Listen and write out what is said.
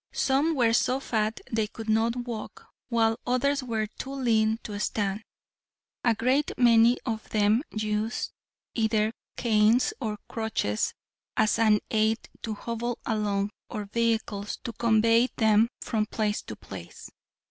Some were so fat they could not walk, while others were too lean to stand. A great many of them used either canes or crutches as an aid to hobble along or vehicles to convey them from place to place.